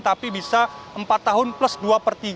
tapi bisa empat tahun plus dua per tiga